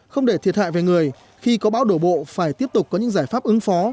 không để thiệt hại về người khi có bão đổ bộ phải tiếp tục có những giải pháp ứng phó